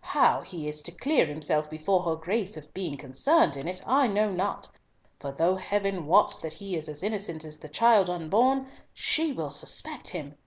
How he is to clear himself before her Grace of being concerned in it, I know not, for though Heaven wots that he is as innocent as the child unborn, she will suspect him!"